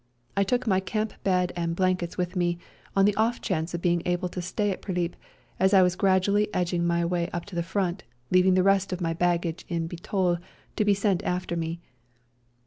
I took my camp bed and blankets with me, on the off chance of being able to stay at Prilip, as I was gradually edging my way up to the Front, leaving the rest of my baggage in Bitol to be sent after me.